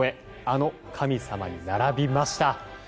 あの神様に並びました。